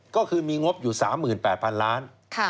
ก็คือมีงบอยู่๓๘๐๐๐ล้าน